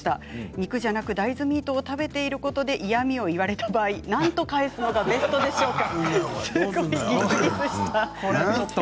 肉じゃなく大豆ミートを食べていることで嫌みを言われた場合、何と返すのがベストでしょうか？